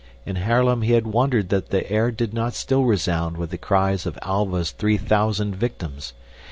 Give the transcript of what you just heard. In Haarlem he had wondered that the air did not still resound with the cries of Alva's three thousand victims.